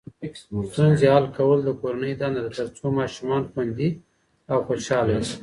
ستونزې حل کول د کورنۍ دنده ده ترڅو ماشومان خوندي او خوشحاله وي.